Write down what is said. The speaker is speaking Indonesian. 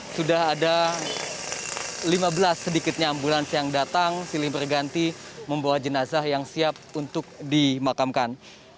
sudah ada lima belas sedikitnya ambulans yang datang silih berganti membawa jenazah yang siap untuk dimakamkan